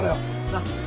なっ。